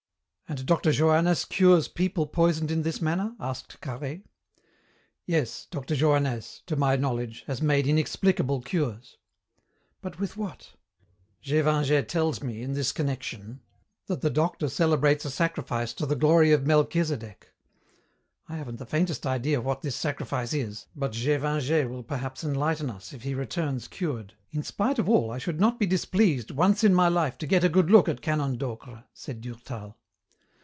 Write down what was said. "And Dr. Johannès cures people poisoned in this manner?" asked Carhaix. "Yes, Dr. Johannès to my knowledge has made inexplicable cures." "But with what?" "Gévingey tells me, in this connection, that the doctor celebrates a sacrifice to the glory of Melchisedek. I haven't the faintest idea what this sacrifice is, but Gévingey will perhaps enlighten us if he returns cured." "In spite of all, I should not be displeased, once in my life to get a good look at Canon Docre," said Durtal.